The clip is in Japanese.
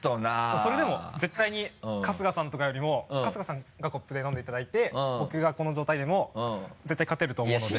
それでも絶対に春日さんとかより春日さんがコップで飲んでいただいて僕がこの状態でも絶対勝てると思うので。